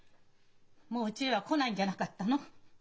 もううちへは来ないんじゃなかったの？